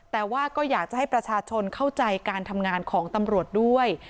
แต่ว่าก็อยากจะให้ประชาชนเข้าใจการทำงานของตำรวจด้วย